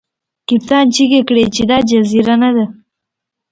کپتان چیغې کړې چې دا جزیره نه ده.